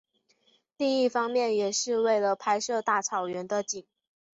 另一方面也是为了拍摄大草原的景。